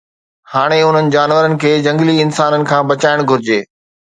هاڻي انهن جانورن کي جهنگلي انسانن کان بچائڻ گهرجي